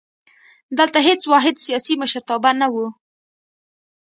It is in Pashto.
دلته هېڅ واحد سیاسي مشرتابه نه وو.